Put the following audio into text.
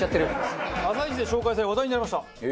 『あさイチ』で紹介され話題になりました。